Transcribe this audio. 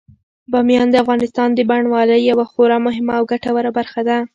بامیان د افغانستان د بڼوالۍ یوه خورا مهمه او ګټوره برخه ده.